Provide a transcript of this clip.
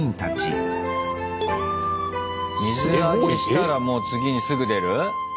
水揚げしたらもう次にすぐ出る？